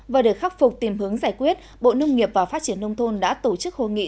và để khắc phục tìm hướng giải quyết bộ nông nghiệp và phát triển nông thôn đã tổ chức hội nghị